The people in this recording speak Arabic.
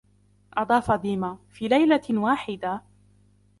أضاف ديما: " في ليلة واحدة ،"